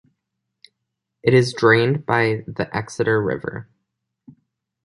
It is drained by the Exeter River.